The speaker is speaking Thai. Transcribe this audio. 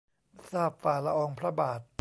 ทราบฝ่าละอองพระบาท